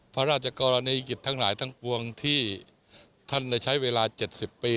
พระราชกรณียกิจทั้งหลายทั้งปวงที่ท่านได้ใช้เวลา๗๐ปี